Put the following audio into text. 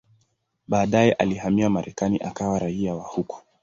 Baadaye alihamia Marekani akawa raia wa huko.